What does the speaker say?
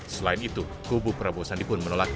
selain itu kubu prabowo sandi pun menolak